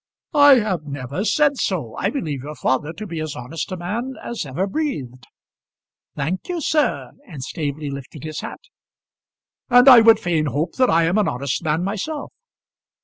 "I have never said so. I believe your father to be as honest a man as ever breathed." "Thank you, sir," and Staveley lifted his hat. "And I would fain hope that I am an honest man myself."